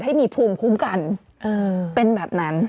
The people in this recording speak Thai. ให้มีภูมิคุ้มกันเป็นแบบนั้น